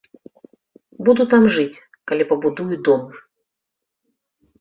Буду там жыць, калі пабудую дом!